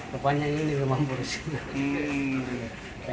rupanya ini rumah wisma